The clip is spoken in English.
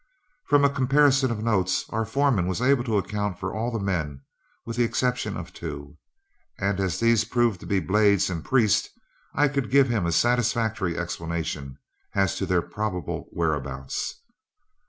From a comparison of notes, our foreman was able to account for all the men with the exception of two, and as these proved to be Blades and Priest, I could give him a satisfactory explanation as to their probable whereabouts.